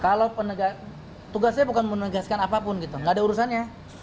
kalau tugasnya bukan menegaskan apapun gitu nggak ada urusannya